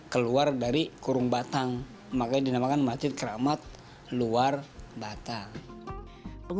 keluar dari kurung batang makanya dinamakan masjid keramat luar batang